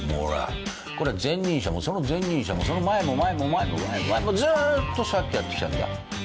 これは前任者もその前任者もその前も前も前も前も前もずーっとそうやってやってきてんだ。